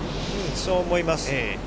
そう思います。